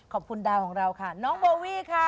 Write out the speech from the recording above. ขอบคุณดาวของเราค่ะน้องโบวี่ค่ะ